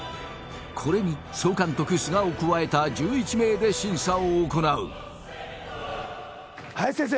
これに総監督須賀を加えた１１名で審査を行う林先生